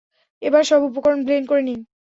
এবার সব উপকরণ ব্লেন্ড করে নিন।